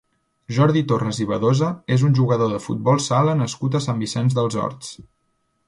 Jordi Torras i Badosa és un jugador de futbol sala nascut a Sant Vicenç dels Horts.